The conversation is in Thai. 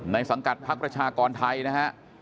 ในสังกัดภักดิ์ประชากรไทยนะฮะ